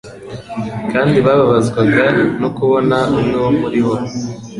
Kandi bababazwaga no kubona umwe wo muri bo